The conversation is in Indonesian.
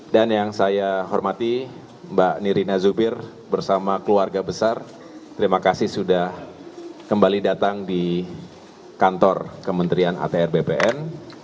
dan yang saya hormati mbak nirina zubir bersama keluarga besar terima kasih sudah kembali datang di kantor kementerian atr bpn